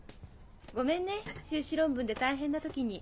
ごめんね修士論文で大変な時に。